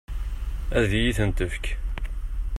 Ad iyi-ten-tefk?